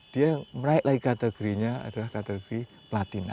dia meraih lagi kategorinya adalah kategori platina